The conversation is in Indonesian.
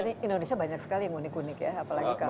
jadi indonesia banyak sekali yang unik unik ya apalagi kalau